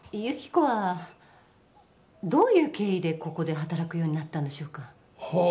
由紀子はどういう経緯でここで働くようになったんでしょうか？